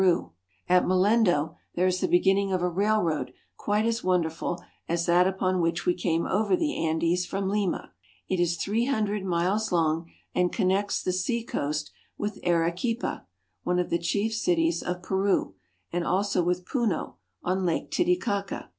Let us take a look at our ship." At Mollendo there is the beginning of a railroad quite as wonderful as that upon which we came over the Andes from Lima. It is three hundred miles long, and connects the seacoast with Arequipa (a ra ke'pa), one of the chief cities of Peru, and also with Puno, on Lake Titicaca.